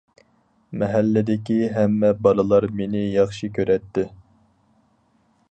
مەھەللىدىكى ھەممە بالىلار مېنى ياخشى كۆرەتتى.